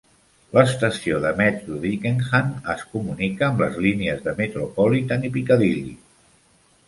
L'estació de metro d'Ickenham es comunica amb les línies de Metropolitan i Piccadilly.